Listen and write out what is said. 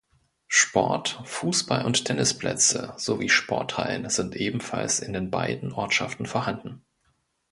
Sport-, Fußball- und Tennisplätze, sowie Sporthallen sind ebenfalls in den beiden Ortschaften vorhanden.